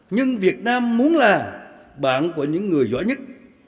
nhưng việt nam muốn là bạn của những người giỏi nhất